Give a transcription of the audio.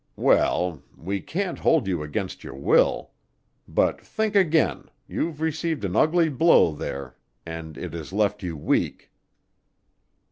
"Well, we can't hold you against your will. But think again; you've received an ugly blow there and it has left you weak."